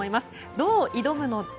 どう挑むのか。